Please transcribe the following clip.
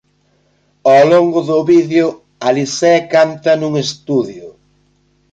Ao longo do vídeo Alizée canta nun estudio.